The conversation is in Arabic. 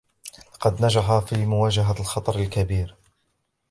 لقد نجح في مواجهة الخطر الكبير.